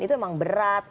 itu memang berat